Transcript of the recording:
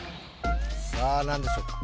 さあ何でしょうか？